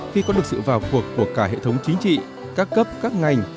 khi có được sự vào cuộc của cả hệ thống chính trị các cấp các ngành